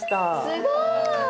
すごーい！